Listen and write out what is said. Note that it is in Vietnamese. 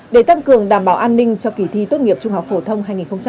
để tăng cường đảm bảo an ninh cho kỳ thi tốt nghiệp trung học phổ thông hai nghìn hai mươi